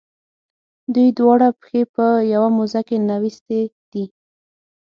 دوی دواړه پښې په یوه موزه کې ننویستي دي.